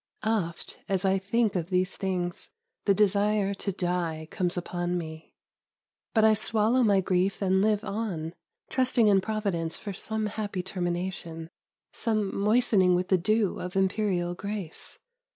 Oft, as I think of these things, the desire to die comes upon me; but I swallow my grief and live on, trusting 136 THE APPEAL OF LADY CHANG in providence for some happy termination, some mois tening with the dew of Imperial grace.